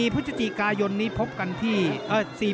๔พฤศจิกายนพบกันที่๔พฤษภาคม